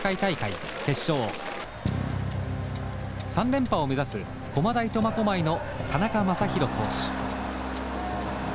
３連覇を目指す駒大苫小牧の田中将大投手。